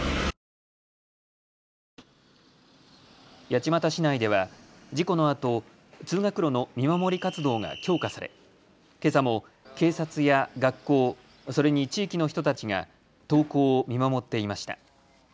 八街市内では事故のあと通学路の見守り活動が強化されけさも警察や学校、それに地域の人たちが登校を見守っていました。